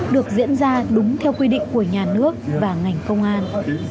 được diễn ra đúng theo quy định của nhà nước và ngành công an